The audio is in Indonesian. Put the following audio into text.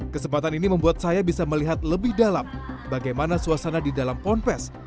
kesempatan ini membuat saya bisa melihat lebih dalam bagaimana suasana di dalam pond pes